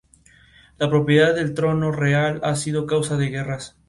La propiedad del trono real ha sido causa de guerras.